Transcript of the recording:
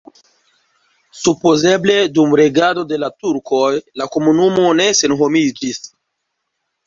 Supozeble dum regado de la turkoj la komunumo ne senhomiĝis.